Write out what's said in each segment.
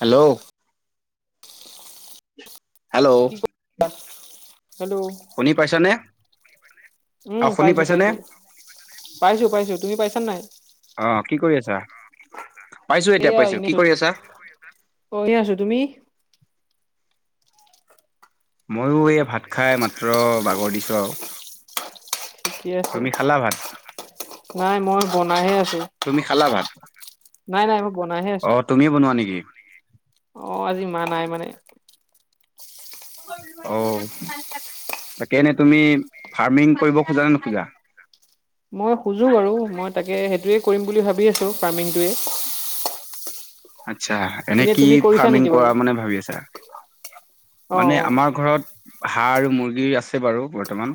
Hello. Hello. কি hello শুনি পাইছোনে? উম পাইছোঁ পাইছোঁ পাইছোঁ পাইছোঁ। তুমি পাইছা নাই? অ কি কৰি আছা। পাইছোঁ এতিয়া এয়া পাইছোঁ। এনে কি কৰি আছা? অ এনে আছো তুমি মইও এই ভাত খাই মাত্ৰ বাগৰ দিছোঁ আৰু। ঠিকে আছে তুমি খালা ভাত? নাই মই বনাইহে আছোঁ। তুমি খালা ভাত অ তুমিয়ে বনোৱা নেকি? অ' আজি মা নাই মানে। অ'। তাকেনেে তুমি ফাৰ্মিং কৰিব খোজা নোখোজা। মই খুজো বাৰু মই তাকে সেইটোৱে কৰিম বুলি ভাবি আছো ফাৰ্মিংটোৱে। আচ্ছা এনে কি তুমি কৰিছা ফাৰ্মিং নেকি বাৰু কৰা মানে ভাবি আছা? অ অ মানে আমাৰ ঘৰত হাঁহ আৰু মুৰ্গীৰ আছে বাৰু বৰ্তমান।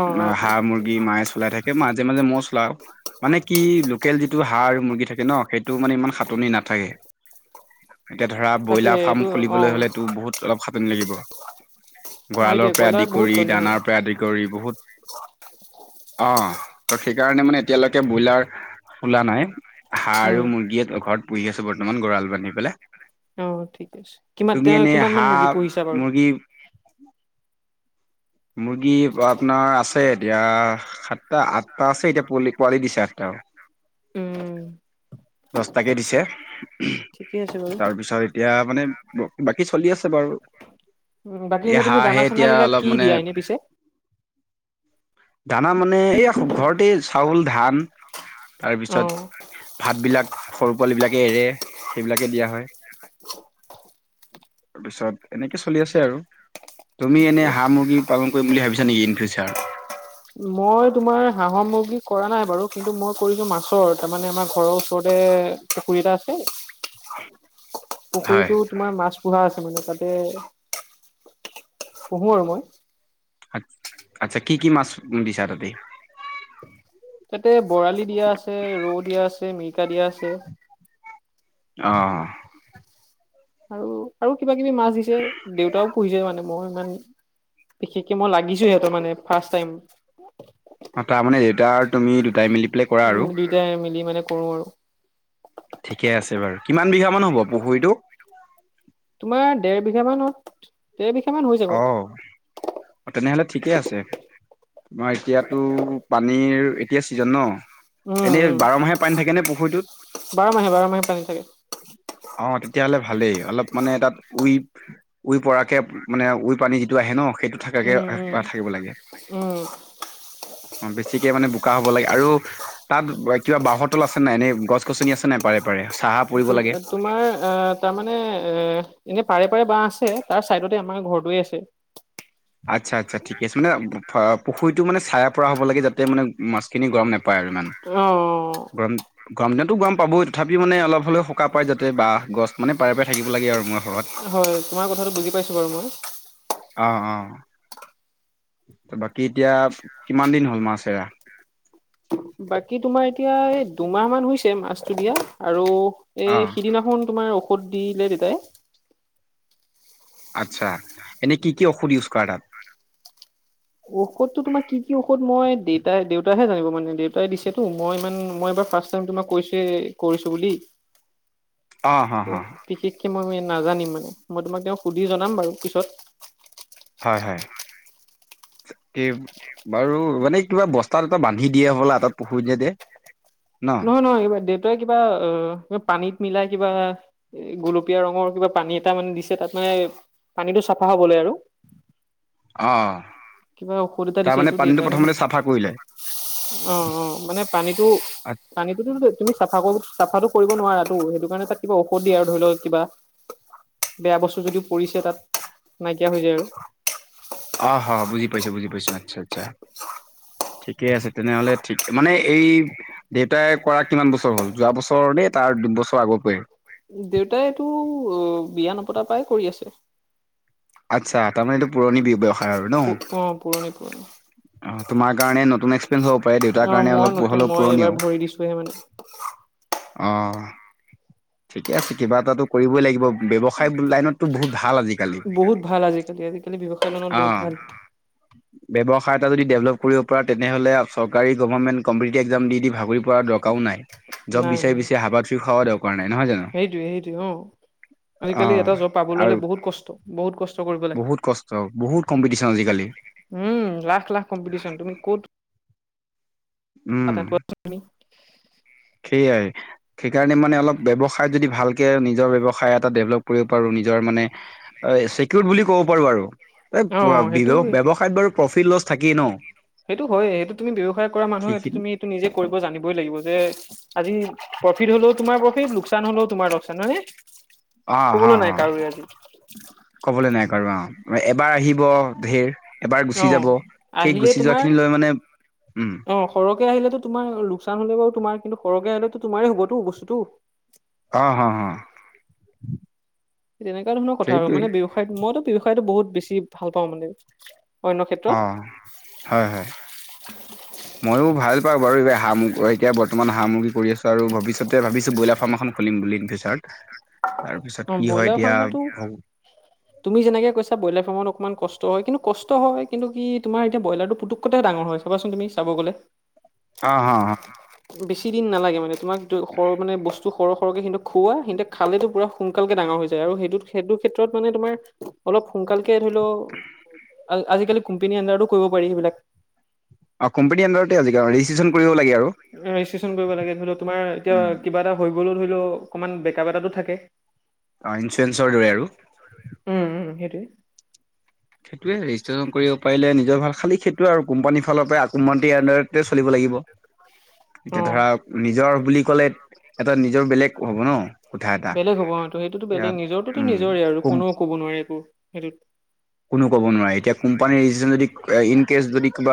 অ অ হাঁহ মুৰ্গী মাছ ওলাই থাকে মাজে- মাজে মৌ চলাও। মানে কি লোকেল যিটো হাঁহ আৰু মুৰ্গী থাকে ন সেইটো মানে ইমান সাটনি নাথাকে। এতিয়া ধৰা তাকে ব্ৰইলাৰ ফাৰ্ম এইটো অ খুলিবলৈ হলেতো বহুত অলপ খাটনি লাগিব। সেইটোৱে গঁডৰালৰ পৰা কয়লাৰ আদি বহুত কৰি কণী হয় দানাৰ পৰা আদি কৰি বহুত অ, ত সেইকাৰণে মানে এতিয়ালৈকে ব্ৰইলাৰ খোলা নাই। হাঁহ আৰু উম মুৰ্গীয়ে ঘৰত পুহি আছো বৰ্তমান গঁৰা়ল বান্ধি পেলাই। অ' ঠিক আছে। কিমান তুমি তেওঁ এনেই কিমান মান মুৰ্গী হাঁহ, পুহিছা বাৰু মুৰ্গী মুৰ্গী আপোনাৰ আছে এতিয়া সাতটা আঠটা আছে এতিয়া পি পোৱালি দিছে আঠটা উম দছটাকে দিছে। ঠিকে আছে বাৰু তাৰপিছত এতিয়া মানে বাকী চলি আছে বাৰু বাকী এই এনে তুমি হাঁহহে দানা চানা এতিয়া বিলাক অলপ কি মানে দিয়া এনে পিছে দানা মানে এইয়া ঘৰতে চাউল ধান তাৰপিছত অ', ভাতবিলাক। সৰু পোৱালি বিলাকে এৰে সেইবিলাকে দিয়া হয়। তাৰপিছত এনেকে চলি আছে আৰু তুমি ঠিকে এনে হাঁহ, আছে। মুৰ্গী পালন কৰিম বুলি ভাবিছা নেকি ইন ফিউচাৰ। মই তোমাৰ সা সামগ্ৰী কৰা নাই বাৰু কিন্তু মই কৰিছো মাছৰ তাৰমানে আমাৰ ঘৰৰ ওচৰতে পুখুৰী এটা আছে। উম, পুখুৰীতটো তোমাৰ মাছ পোহা আছে মানে তাতে পুহু আৰু মই। আচ্ছা কি, কি মাছ বিচাৰা তাতে তাতে বৰালি দিয়া আছে ৰৌ দিয়া আছে মিৰিকা দিয়া আছে। অ ', আৰু - আৰু কিবা কিবি মাছ দিছে দেউতাও পিছে মানে মই ইমান বিশেষ মই লাগিছো সিহঁত মানে ফাৰ্ষ্ট টাইম। তাৰমানে দেউতা আৰু তুমি দুটাই মিলি পেলাই কৰা আৰু। উম, দুইটাই মিলি মানে কৰো আৰু। ঠিকে আছে বাৰু কিমান বিঘা মান হ'ব পুখুৰীটোক। তোমাৰ দেৰ বিঘা মানত দেৰ বিঘা মান হৈ যাব। অ, তেনেহলে ঠিকে আছে তোমাৰ এতিয়াতো পানীৰ এতিয়া ছিজন ন'। উম, এনেই উম, বাৰমাহে পানী থাকে নে পুখুৰীটোত। বাৰ মাহে বাৰ মাহে পানী থাকে অ' তেতিয়াহ'লে ভালেই অলপ মানে তাত উই-উই পৰাকৈ। মানে উৰ পানী যিটো আহে ন সেইটো থাকাকে উম, উম। থাকিব লাগে। উম, অ, বেছিকে মানে বোকা হ'ব লাগে আৰু তাত কিবা বাঁহৰতল আছে নাই এনেই গছ-গছনি আছে নাই পাৰে পাৰে চাহা পৰিব তম লাগে। তোমাৰ অ, তাৰমানে এ এনে পাৰে। বা আছে তাৰ চাইডতে আমাৰ ঘৰটোৱে আছে। আচ্ছা, আচ্ছা ঠিকে আছে মানে পুখুৰীটো মানে ছায়া পৰা হ'ব লাগে, যাতে মানে মাছখিনি গৰম নাপায়। পায় আৰু ইমান, গৰম গৰম দিনতো গৰম পাবই। তথাপি মানে অলপ হলেও সকাহ পায়, যাতে বাঁহ গছ মানে পাৰে-পাৰে থাকিব লাগে আৰু মই হয়, তোমাৰ কথাটো বুজি পাইছোঁ বাৰু মই। তো বাকী এতিয়া কিমান দিন হ'ল মাছ এৰা? বাকী তোমাৰ এতিয়া এই দুমাহ মান হৈছে মাছ দিয়া আৰু এই অ' সিদিনাখন তোমাৰ ঔষধ দিলে দেতাই আচ্ছা, এনে কি কি ঔষধ ইউজ কৰা তাত ঔষধ তো তোমাৰ কি কি ঔষধ মই দেউতাই দেউতাইাহে জানিব মানে দেউতাই দিছেতো মই ইমান মইবাৰ ফাৰ্ষ্টটাইম তোমাক কৈছে কৰিছো বুলি [inaudible] অ' হ হ বিশেষকে মই নাজানিম মানে। মই তোমাক তেওঁক সুধি জনাম বাৰু পিছত। হয়, হয়, কি বাৰু মানে কিবা বস্তা এটা বান্ধি দিয়া হ'ল [unintelligible] নহয় - নহয়, কিবা দে কিবা অ পানীত মিলাই কিবা এ গোলপীয়া ৰঙৰ কিবা পানী এটা মানে দিছে তাত মানে মানে পানীটো চাফা হ'বলৈ আৰু অ', কিবা ঔষদ এটা দিছে তাৰমানে এইটো পানীটো দেউতা হে প্ৰথমতে চাফা কৰিলে। অ' - অ', মানে পানীটো- পানীটো স তুমি চাফা চাফাটো কৰিব নোৱাৰা এইটোৰ কাৰণে তাত কিবা ঔষদ আৰু ধৰি লওক কিবা বেয়া বস্তু যদিও পৰিছে তাত নাইকিয়া হৈ যায় আৰু অ', হ বুজি পাইছোঁ, বুজি পাইছোঁ, আচ্ছা, আচ্ছা, ঠিকে আছে তেনেহ'লে ঠিক মানে এই দেউতাই কৰা কিমান বছৰ হ'ল? যোৱা বছৰ মানে তাৰ দুবছৰ আগত প দেউতা বিয়া নপতাৰ পৰাই কৰি আছে। আচ্ছা তাৰমানে এইটো পুৰণি ব্য ব্যয়ৱসায় আৰু ন। অ পুৰণি পুৰণি [inaudible] অ', তোমাৰ কাৰণে নতুন এক্সপেৰিয়ন্ঞ্চ হ'ব পাৰে দেউতাৰ অ কাৰণে মই অলপ নতুন হলেওঁ মই পুৰণিও। এইবাৰ ভৰি দিছোহে মানে অ', ঠিকে আছে কিবা এটাতো কৰিবই লাগিব ব্যৱসায় লাইনতটো বহুত ভাল আজিকালি বহুত ভাল আজিকালি আজিকালি ব্যৱসায় লোনত বহুত অ',। ভাল [inaudible] ব্যৱসায় এটা যদি ডেভেলপ কৰিব পৰা তেনেহলে চৰকাৰী গভৰ্ণনমেন্ত কম্পিটটিভ এক্সম দি দি ভাগৰি কৰা দৰকাৰও নাই জৱ নাই বিচাৰি, নাই বিচাৰি হাবাথুৰি খোৱা দ সেইটোৱে - সেইটোৱে অ'। আজিকালি অ'। এটা জব পাবলৈ আৰু হলে বহুত কষ্ট, বহুত কষ্ট কৰিব বহুত কষ্ট বহুত কম্পিটিচন আজিকালি লাগে। উম, লাখ, লাখ কম্পিটিশন তুমি ক'ত উম, [inaudible] সেইয়াই। সেইকাৰণে মানে অলপ ব্যৱসায় যদি ভালকে নিজৰ ব্যৱসায় এটা ডেভেলপ কৰিব পাৰো নিজৰ মানে চেকিউৰ্দ বুলি ক'ব পাৰো আৰু এই অ সেইটো ব্যৱসায়ত বাৰু প্ৰফিট লছ থাকেই ন। সেইটো হয় সেইটো তুমি ব্যৱসায় কৰা মানুহে সটো সেইখিনি তুমি এইটো নিজে কৰিব জানিবই লাগিব যে আজি প্ৰফিট হ'লেও তোমাৰ প্ৰফিট লোকচান হলেও তোমাৰ লোকচান হয় নে অ', হা অ', কবলৈ নাই কাৰো অ',। এবাৰ আহিব ধেৰ অ', আহিলে তোমাৰ লৈ মানে উম, অ', সৰহকে আহিলেতো তোমাৰ লোকচান হলে বাৰু তোমাৰ কিন্তু সৰহকৈ আহিলেও তোমাৰেই হ'বতো বস্তুতটো আহ, হা, হা, তেনেকুৱা ধৰণৰ কথা আৰু মানে ব্যয়ৱসায়ত মইতো ব্যৱসায়তটো বহুত বেছি ভাল পাওঁ মানে অন্য ক্ষেত্ৰত অ', হয়, হয়, ময়ো ভাল পাওঁ বাৰু [unintelligible] অ' এতিয়া বৰ্তমান সা-সামগ্ৰী কৰি আছোঁ আৰু ভৱিষ্যতে ভাবিছোঁ ব্ৰইলাৰ ফাৰ্ম এখন খুলিম বুলি ইন ফিউচাৰ। অ', ব্ৰইলাৰ ফাৰ্মো তুমি যেনেকে কৈছা ব্ৰইলাৰ ফাৰ্মত অকমান কষ্ট হয়। কিন্তু কষ্ট হয়, কিন্তু কি তোমাৰ এতিয়া ব্ৰইলাৰটো পুতুক্কতে ডাঙৰ হয় চাবাচোন তুমি, চাব গ'লে। হ, হ, বেছি দিন নালাগে মানে। তোমাক সৰ- মানে বস্তু সৰহ - সৰহকৈ কিন্তু খুওৱা, সিহঁতে খালেটো পূৰা সোনকালকে ডাঙৰ হৈ যায় আৰু সেইটো সেইটো ক্ষেত্ৰত মানে তোমাৰ অলপ সোনকালকে ধৰি লও আ- আজিকালি কোম্পানী আণ্ডাৰতো কৰিব পাৰি সেইবিলাক। অ', কোম্পানী আণ্ডাৰতে আজিকালি ৰেজিষ্ট্ৰেচন কৰিব লাগে আৰু। ৰেজিষ্টন কৰিব লাগে ধৰি লও তোমাৰ এতিয়া উম, কিবা এটা হৈ গ লৈ ধৰি লও অকণমান বেকা এটাাতো থাকে অ' ইনফুৰেঞ্চৰ দৰে আৰু উম উম সেইটোৱে সেইটোৱে ৰেজিষ্ট্ৰেচন কৰিব পাৰিলে নিজৰ ভাল। খালি সেইটো আৰু কোম্পানীৰ ফালৰ পৰা কোমতি আণ্ডাৰতে চলিব লাগি দিব। অ এতিয়া ধৰা নিজৰ বুলি ক'লে এটা নিজৰ বেলেগ হ'ব ন' কোঠা এটা বেলেগ হ'ব অ' তো সেইটোতো এতিয়া বেলেগ। নিজৰটোতো উম, নিজৰে আৰু কোম্পানী কোনেও কব নোৱাৰে একো সেইটোত। কোনো য কিবা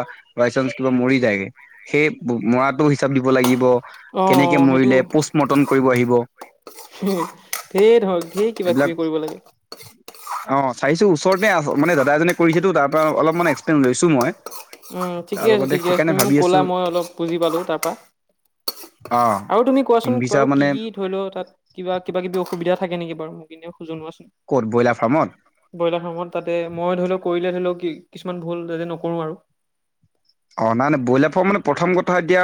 ব কা ম য মৰাতটো হিচাপ দিব লাগিব অ অ কেনেকে সেইটো মৰিলে পষ্ট মৰ্টম কৰিব আহিব ধেৰ ধৰক ধেৰ কিবা এইবিলাক কিবি কৰিব লাগে। অ চাইছো ওচৰতে আছ মানে দাদাজনে কৰিছেতো তা পৰা অলপমান এক্সপ্লেইন লৈছো মই উম তাৰ ঠিকে আছে লগতে ঠিক আছে সেইকাৰণে তুমি মোক ভাবি আছো কলা মই অলপ বুজি পালো তাৰ পৰা। অ আৰু তুমি কোৱাচোন ইনভিছা বাৰু কি মানে কি ধৰি লও তাত কিবা কিবা কিবি অসুবিধা থাকে নেকি বাৰু মোৰ কিন্তু, ক'ত ব্ৰইলাৰ ফাৰ্মত ব্ৰইলাৰ ফাৰ্মত তাতে মই ধৰি লও কৰিলে ধৰি লওক কি কিছুমান ভুল যতে নকৰো আৰু, অ' নাই ন ব্ৰইলাৰ ফ মানে প্ৰথম কথা এতিয়া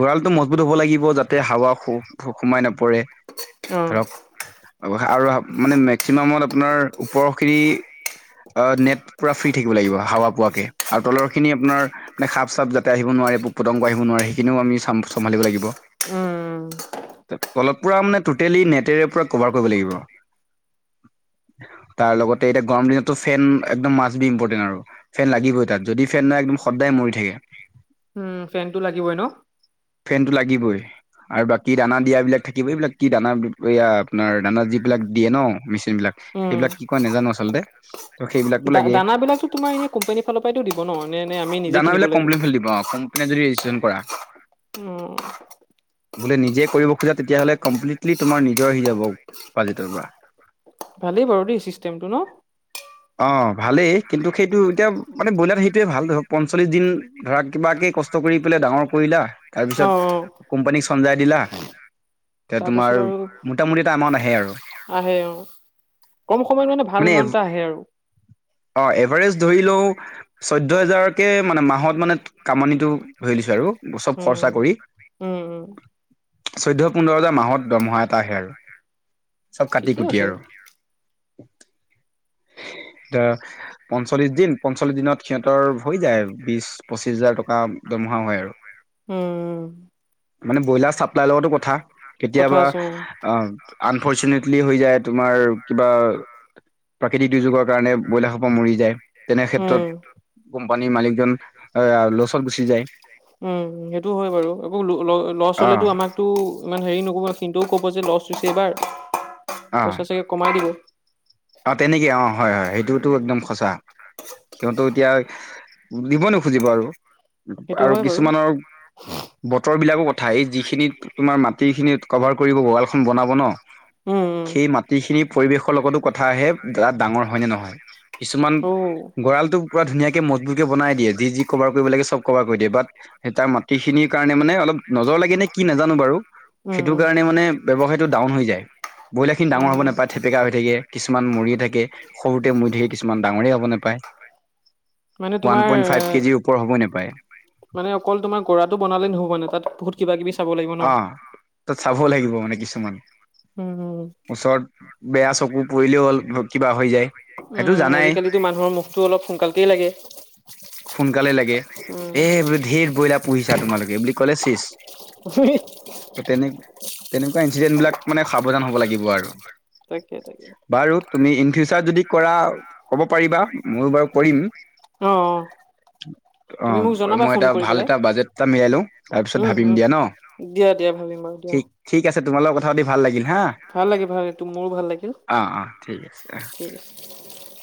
গঁৰালটো মজবুত হব লাগিব যাতে হাৱা সোমাই নপৰে অ ধৰক আৰু মানে মেক্সিমামত আপোনাৰ ওপৰখৰি অ নেট পুৰা ফ্ৰী থাকিব লাগিব হাৱা পোৱাকে আৰু তলৰ খিনি আপোনাৰ মানে সাপ চাপ যাতে আহিব নোৱাৰে পোক পতংগ আহিব নোৱাৰে সেই খিনিও আমি চাম চম্ভিব লাগিব উম। তলত প মানে টটেলি নেটেৰে পৰা কভাৰ কৰিব লাগিব। তাৰ লগতে এতিয়া গৰম দিনতো ফেন একদম মাছ বি ইম্পৰ্টেন্ট আৰু ফেন লাগিবই তাত যদি ফেন নাই একম সদায় মৰি থাকে উম ফেনটো লাগিবই ন' ফেনটো লাগিবই আৰু বাকী দানা দিয়া বিলাক থাকিব এইবিলাক কি দানা এয়া আপোনাৰ দানা যিবিলাক দিয়ে ন' মেচিন বিলাক উম সেইবিলাক কি কয় নাজানো আচলতে ত সেইবিলাকো দা লাগে দানাবিলাকতো তোমাৰ এনে কোম্পানীৰ ফালৰ পৰাইতো দিব ন ম আমি নিজে কিনিব। দানাবিলাক লাগিব? কোম্পানীৰ ফালে দিব অ কোম্পানীয়ে যদি ৰেজিষ্ট্ৰেচন কৰা অ বোলে নিজে কৰিব খোজা তেতিয়াহ'লে কমপ্লিটলি তোমাৰ নিজৰ আহি যাব বাজেটৰ পৰা ভালেই বাৰু দেই চিষ্টেমটো ন অ' ভালেই কিন্তু সেইটো এতিয়া মানে ব্ৰইলাৰ সেইটোৱে ভাল ধৰক পঞ্চল্লিছ দিন ধৰা কিবাকে কষ্ট কৰি পেলাই ডাঙৰ কৰিলা তাৰ অ পিছত অ কোম্পানীক চঞ্জাই দিলা এতিয়া তোমাৰ তাৰপাছত আৰু মোটামুটি এটা এমাউণ্ট আহে আৰু আহে অ। কম সময়ত মানে ভাল এমাউণ্ট এটা আহে আৰু অ' এভাৰেজ, ধৰি লও চৈধ্য় হাজাৰকে মানে মাহত মানে কামানিটো ধৰি লৈছো আৰু চব খৰচা উম কৰি উম উম চৈধ্য পোন্ধৰটাাৰ মাহত দৰমহা এটা আহে আৰু চব কাটি ঠিকেই কুটি আছে। আৰু এতিয়া পঞ্চল্লিশ দিন পঞ্চল্লিশ দিনত সিহঁতৰ হৈ যায় বিশ পঁচিশ হাজাৰ টকা দৰমহা হয় আৰু উম মানে ব্ৰইলাৰ চাপ্লাইৰ লগতো কথা কথা কেতিয়াবা আছে উম, অ' আনফৰ্চুনেটলি হৈ যায় তোমাৰ কিবা প্ৰাকৃতিক দুৰ্যোগৰ কাৰণে ব্ৰইলাৰ সোপ মৰি যায়। তেনে উম, ক্ষেত্ৰত কোম্পানীৰ মালিকজন লচত গুচি যায় উম সেইটো হয় বাৰু একৌ ল ছ আহ হলেতো আমাকতো ইমান হেৰি ন' কব কিন্তুও ক'ব যে লছটো হৈছে এইবাৰ আহ পইচা চাগে কমাই দিব অ তেনেকে অ হয় হয় সেইটোতো একদম সঁচা সিহঁতো এতিয়া দিব ন' খুজিব আৰু সেইটো আৰু হয় বাৰু কিছুমানৰ বতৰ বিলাকো ঠাই যিখিনি তোমাৰ মাটি খিনিত কভাৰ কৰিব বগালখন বনাব ন উম, উম, সেই মাটিখিনি পৰিৱেশৰ লগতো কথাহে ডাঙৰ হয় নে নহয় কিছুমান অ', গঁৰা়লটো পুৰা ধুনীয়াকে মজবুতকে বনাই দিয়। যি যি কভাৰ কৰিব লাগে চব কভাৰ কৰি দিয়ে বাট সেই তাৰ মাটি খিনিৰ কাৰণে মানে অলপ নজৰ লাগে নে কি নাজানো উম, উম, ৱসায়টোাউন হৈ যায় ব্ৰইলাৰিনিাঙৰ হ'ব উম, নায় থেেকা হৈ থাকে কিু ম থাকে সৰুতে মৈ থাকে কিছুমান ডাঙৰেই হ'ব নাপায় মানে ওৱান তোমাৰ পইণ্ট ফাইভ কেজিৰ ওপৰ হ'বই নোপায়। মানে অকল তোমাৰ গৰাটো বনালে নহব মানে তাত বহুত কিবা কিবি চাব লাগিব ন। অ' তাত চাবও লাগিব মানে কিছুমান উম উম। ওচৰত বেয়া চকু পৰিলেও হ'ল কিবা হৈ যায়। সেইটো উম জানাই আজিকালিতো মানুহৰ মুখটো অলপ সোনকালতেেই লাগে। সোনকালে লাগে উম, এ বো ধেৰ বইলাৰ পুহিছা তোমালোকে বুলি কলে চিষ [unintelligible] তেনেকুৱা ইনঞ্চিডেণ্ট বিলাক মানে সাৱধান হব লাগিব আৰু তাকে, তাকে বাৰু তুমি ইন ফিউচাৰ যদি কৰা কব পাৰিবা মই বাৰু কৰিম অ', অ'। তুমি মোক অ' জনাবা মই ফোন এটা কৰি ভাল পেলাই এটা বাজেট এটা মিলাই লো তাৰ পিছত উম ভাবি ম উম দিয়া দিয়া দিয়া ভাবিম বাৰু দিয়া নিক ঠিক আছে তোমাল লগত কথা পাতি ভাল লাগিল হা ভাল লাগে ভাল লে মোৰো ভাল লাগিল অ' অ' ঠিক আছে অ' ঠিক আছে